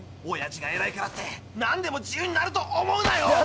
おやじがえらいからってなんでも自由になると思うなよ！